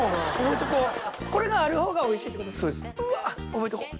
覚えとこう。